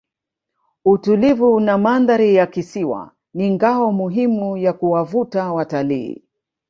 utulivu na mandhari ya kisiwa ni ngao muhimu ya kuwavuta watalii